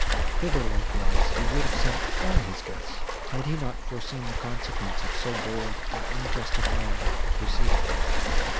Thither, likewise, he would have sent all his guests, had he not foreseen the consequence of so bold and unjustifiable a proceeding.